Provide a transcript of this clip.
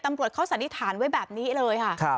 ตำรวจเขาสันนิษฐานไว้แบบนี้เลยค่ะ